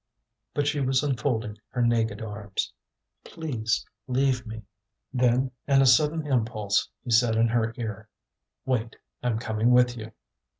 But she was unfolding her naked arms. "Please, leave me." Then, in a sudden impulse, he said in her ear: "Wait, I'm coming with you."